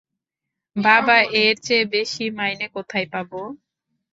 বাবা, এর চেয়ে বেশি মাইনে কোথায় পাব?